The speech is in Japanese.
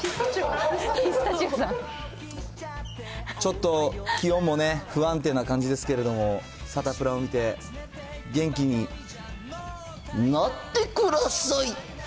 ちょっと気温もね、不安定な感じですけれども、サタプラを見て、元気になってください。